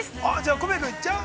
◆小宮君、行っちゃう？